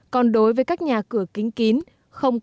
còn đối với các nhà cửa kính kín